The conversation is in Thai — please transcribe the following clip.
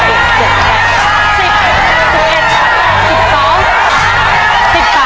ประเภทจากสุดท้ายกลับมา